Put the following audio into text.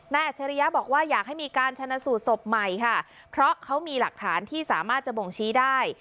อัจฉริยะบอกว่าอยากให้มีการชนะสูตรศพใหม่ค่ะเพราะเขามีหลักฐานที่สามารถจะบ่งชี้ได้